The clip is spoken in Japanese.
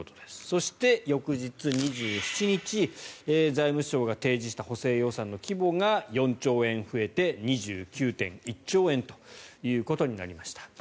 そして、翌日２７日財務省が提示した補正予算の規模が４兆円増えて２９．１兆円ということになりました。